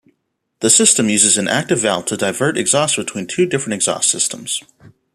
The system uses an active valve to divert exhaust between two different exhaust systems.